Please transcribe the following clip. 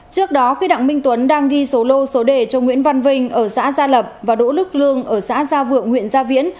trước đó quy đặng minh tuấn đang ghi số lô số đề cho nguyễn văn vinh ở xã gia lập và đỗ đức lương ở xã gia vượng huyện gia viễn